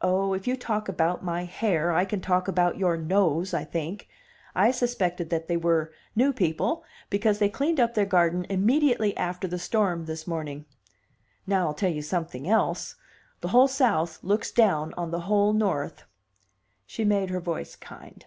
"Oh, if you talk about my hair, I can talk about your nose, I think. I suspected that they were: 'new people' because they cleaned up their garden immediately after the storm this morning. Now, I'll tell you something else: the whole South looks down on the whole North." She made her voice kind.